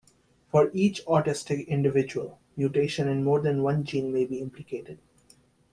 For each autistic individual, mutations in more than one gene may be implicated.